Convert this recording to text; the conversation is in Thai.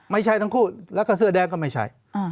ไม่ใช่ทั้งคู่แล้วก็เสื้อแดงก็ไม่ใช่